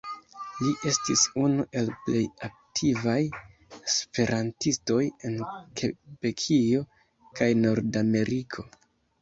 Li estis unu el plej aktivaj esperantistoj en Kebekio kaj Nordameriko.